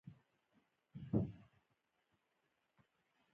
هغوی به د یوې قلعې په زیرزمینۍ کې بندي کېدل.